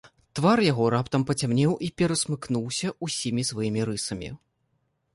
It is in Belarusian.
Твар яго раптам пацямнеў і перасмыкнуўся ўсімі сваімі рысамі.